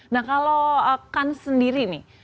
nah kalau kan sendiri nih